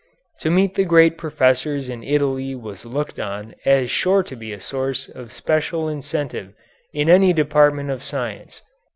To meet the great professors in Italy was looked on as sure to be a source of special incentive in any department of science.